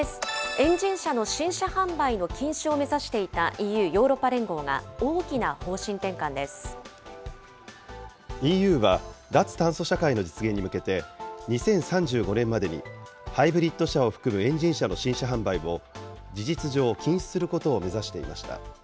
エンジン車の新車販売の禁止を目指していたＥＵ・ヨーロッパ連合ＥＵは脱酸素社会の実現に向けて、２０３５年までに、ハイブリッド車を含むエンジン車の新車販売を事実上、禁止することを目指していました。